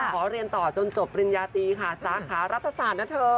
ขอเรียนต่อจนจบปริญญาตีค่ะสาขารัฐศาสตร์นะเธอ